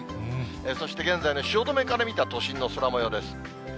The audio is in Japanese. そして現在の汐留から見た都心の空もようです。